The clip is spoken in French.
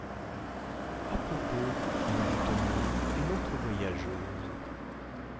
À propos, mon lieutenant, et notre voyageuse?